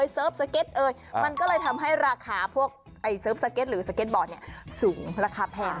เสิร์ฟสเก็ตเอยมันก็เลยทำให้ราคาพวกเซิร์ฟสเก็ตหรือสเก็ตบอร์ดเนี่ยสูงราคาแพง